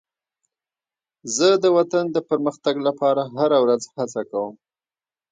زه د وطن د پرمختګ لپاره هره ورځ هڅه کوم.